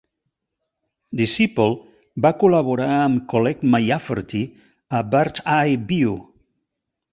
Disciple va col·laborar amb Collette Mclaffery a "Birdseye View".